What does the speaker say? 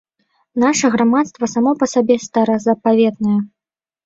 Наша грамадства само па сабе старазапаветнае.